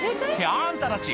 あんたたち